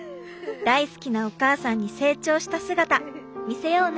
大好きなお母さんに成長した姿見せようね！